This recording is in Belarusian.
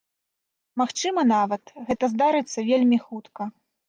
Магчыма нават, гэта здарыцца вельмі хутка.